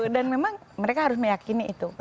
dan memang mereka harus meyakini itu